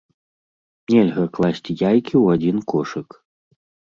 Нельга класці яйкі ў адзін кошык!